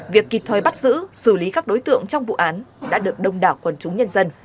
việc kịp thời bắt giữ xử lý các đối tượng trong vụ án đã được đông đảo quần chúng nhân dân